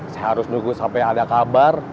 saya harus nunggu sampai ada kabar